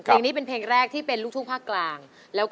เพลงนี้เป็นเพลงแรกที่เป็นลูกทุ่งภาคกลาง